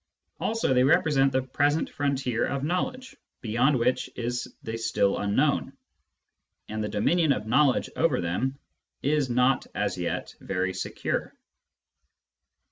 Also they represent the present frontier of knowledge, beyond which is the still unknown ; and the dominion of knowledge over them is not as yet very secure.